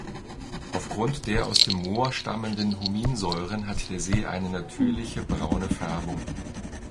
Aufgrund der aus dem Moor stammenden Huminsäuren hat der See eine natürliche braune Färbung.